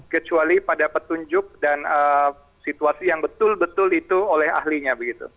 kecuali pada petunjuk dan situasi yang betul betul itu oleh ahlinya begitu